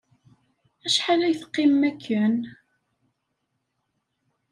Acḥal ay teqqimem akken?